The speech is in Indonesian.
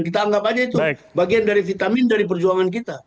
kita anggap aja itu bagian dari vitamin dari perjuangan kita